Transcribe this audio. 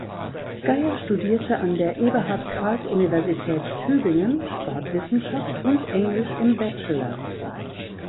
Geyer studierte an der Eberhard Karls Universität Tübingen Sportwissenschaft und Englisch im Bachelor.